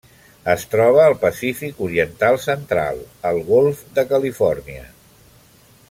Es troba al Pacífic oriental central: el Golf de Califòrnia.